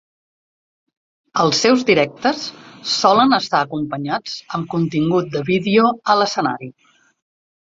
Els seus directes solen estar acompanyats amb contingut de vídeo a l'escenari.